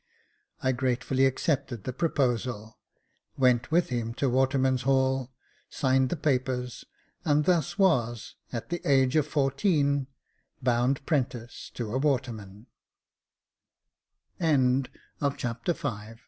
I gratefully accepted the proposal, went with him to Water men's Hall, signed the papers, and thus was, at the age of fourteen, " Bound ^prentice to a waterman